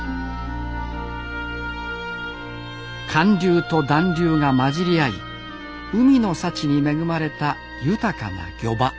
寒流と暖流が混じり合い海の幸に恵まれた豊かな漁場。